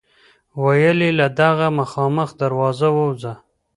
ویل یې له دغه مخامخ دروازه ووځه.